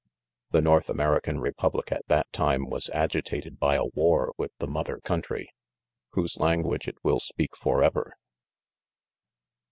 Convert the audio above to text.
The North American republic at that time, was agitated by a war with the mother country, whose language it will speak forever.